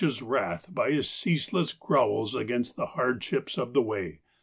's wrath by his ceaseless growls against the hardships of the way.